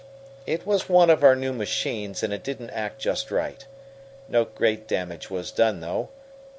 "It was one of our new machines, and it didn't act just right. No great damage was done, though.